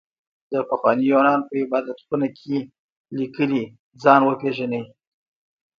د پخواني يونان په عبادت خونه کې ليکلي ځان وپېژنئ.